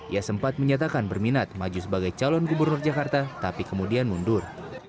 ia sempat menyatakan berminat maju sebagai calon gubernur jakarta tapi kemudian mundur